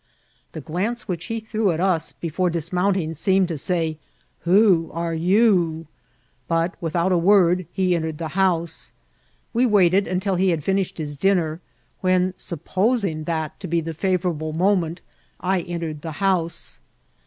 The glance which he threw at us before dis* mounting seemed to say, '^ Who are you ?" but, without a word, he entered the house. We waited until he had finished his dinner, when, supposing that to be the fa« vourable moment, I entered the house.